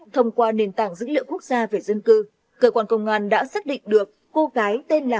thông qua nền tảng dữ liệu quốc gia về dân cư cơ quan công an đã xác định được cô gái tên là